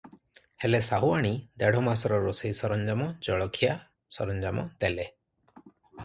ହେଲେ, ସାହୁଆଣୀ ଦେଢ଼ ମାସର ରୋଷେଇ ସରଞ୍ଜାମ, ଜଳଖିଆ ସରଞ୍ଜାମ ଦେଲେ ।